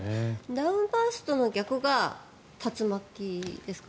ダウンバーストの逆が竜巻ですか？